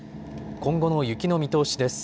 今後の雪の見通しです。